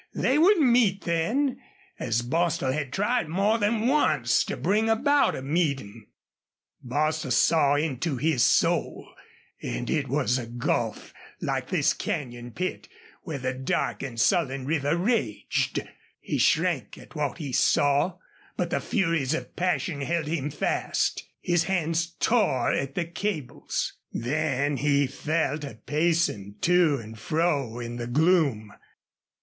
They would meet then, as Bostil had tried more than once to bring about a meeting. Bostil saw into his soul, and it was a gulf like this canyon pit where the dark and sullen river raged. He shrank at what he saw, but the furies of passion held him fast. His hands tore at the cables. Then he fell to pacing to and fro in the gloom.